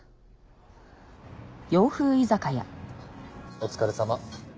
お疲れさま。